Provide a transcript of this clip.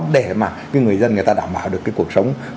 để mà cái người dân người ta đảm bảo được cái cuộc sống bình thường